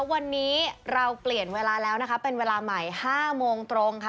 วันนี้เราเปลี่ยนเวลาแล้วนะคะเป็นเวลาใหม่๕โมงตรงค่ะ